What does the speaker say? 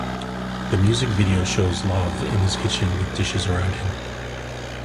The music video shows Lauv in his kitchen with dishes around him.